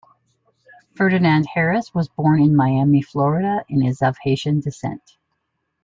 Ferdinand-Harris was born in Miami, Florida and is of Haitian descent.